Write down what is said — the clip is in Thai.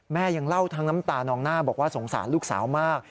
ยังเล่าทั้งน้ำตานองหน้าบอกว่าสงสารลูกสาวมาก